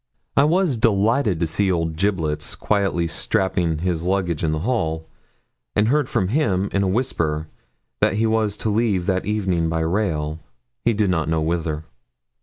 I was delighted to see old 'Giblets' quietly strapping his luggage in the hall, and heard from him in a whisper that he was to leave that evening by rail he did not know whither.